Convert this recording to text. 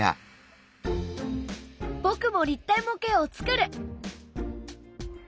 僕も立体模型を作る！